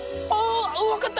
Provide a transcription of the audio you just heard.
分かった。